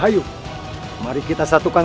aku tak akan blem in didesk